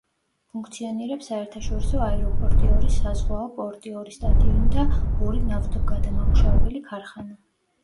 ფუნქციონირებს საერთაშორისო აეროპორტი, ორი საზღვაო პორტი, ორი სტადიონი და ორი ნავთობგადამამუშავებელი ქარხანა.